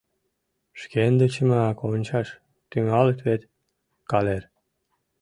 Шкендычымак ончаш тӱҥалыт вет, калер!